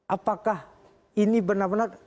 apakah ini benar benar